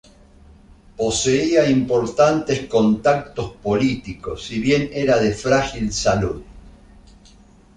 Poseía importantes contactos políticos, si bien era de frágil salud.